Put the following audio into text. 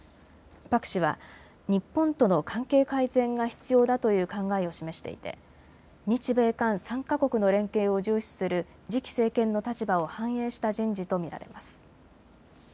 パク氏は日本との関係改善が必要だという考えを示していて日米韓３か国の連携を重視する次期政権の立場を反映した人事と見られます。